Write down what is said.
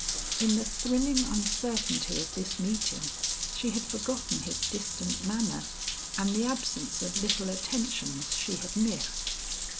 In the thrilling uncertainty of this meeting she had forgotten his distant manner and the absence of little attentions she had missed.